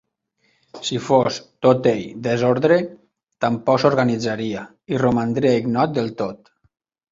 Si fos, tot ell, desordre, tampoc s'organitzaria, i romandria ignot del tot.